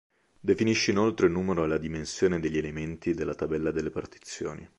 Definisce inoltre il numero e la dimensione degli elementi della tabella delle partizioni.